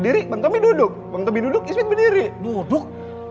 lu diri mulu capek ngeliatnya duduk berdiri duduk duduk